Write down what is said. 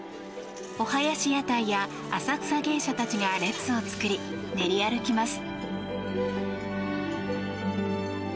おはやし屋台や浅草芸者たちが列を作り、練り歩きます。